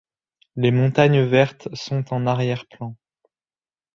Les Montagnes Vertes sont en arrière-plan.